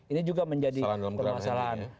ini juga menjadi permasalahan